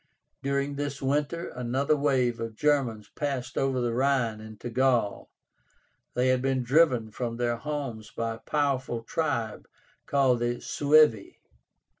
During this winter another wave of Germans passed over the Rhine into Gaul. They had been driven from their homes by a powerful tribe called the SUEVI.